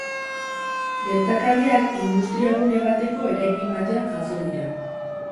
Gertakariak industria-gune bateko eraikin batean jazo dira.